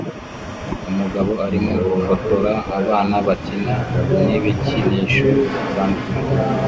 Umugabo arimo gufotora abana bakina nibikinisho bitandukanye